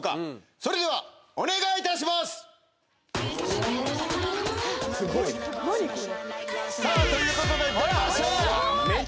それではお願いいたします！ということで出ました